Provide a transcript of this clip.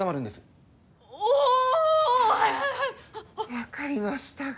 分かりましたか。